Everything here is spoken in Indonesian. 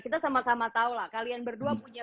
kita sama sama tahu lah kalian berdua punya